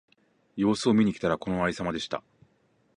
様子を見に来たら、このありさまでした。